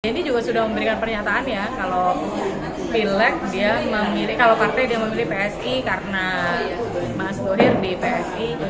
denny juga sudah memberikan pernyataan ya kalau pilek dia memilih kalau partai dia memilih psi karena mas nuhir di psi